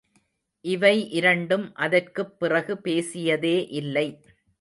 இவை இரண்டும் அதற்குப் பிறகு பேசியதே இல்லை.